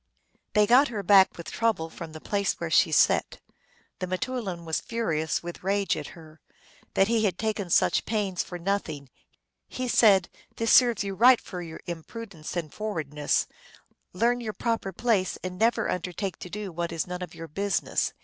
They got her back with trouble from the place where she sat. The m teoulin was furious with rage at her, that he had taken such pains for nothing. He said, " This serves you right for your impudence and forwardness. Learn your proper place, and never undertake to do what is none of your business."